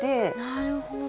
なるほど。